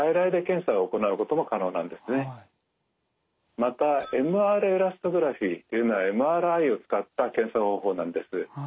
またＭＲエラストグラフィというのはＭＲＩを使った検査方法なんです。